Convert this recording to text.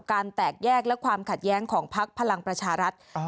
แตกแยกและความขัดแย้งของพักพลังประชารัฐ